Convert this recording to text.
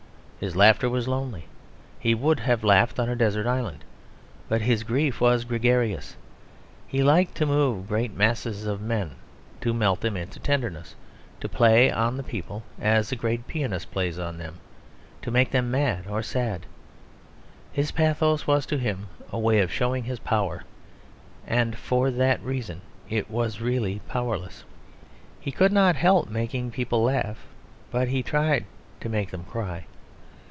His laughter was lonely; he would have laughed on a desert island. But his grief was gregarious. He liked to move great masses of men, to melt them into tenderness, to play on the people as a great pianist plays on them; to make them mad or sad. His pathos was to him a way of showing his power; and for that reason it was really powerless. He could not help making people laugh; but he tried to make them cry.